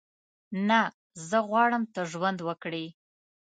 نه، زه غواړم ته ژوند وکړې.